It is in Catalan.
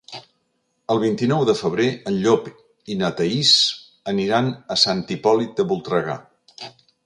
El vint-i-nou de febrer en Llop i na Thaís aniran a Sant Hipòlit de Voltregà.